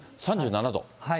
３７度？